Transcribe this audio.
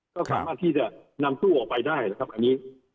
ก็สามารถที่จะนำตู้ออกไปได้นะครับอันนี้